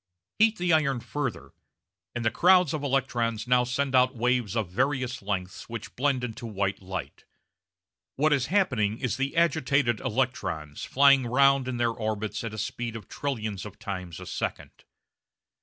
Heat the iron further, and the crowds of electrons now send out waves of various lengths which blend into white light. What is happening is the agitated electrons flying round in their orbits at a speed of trillions of times a second.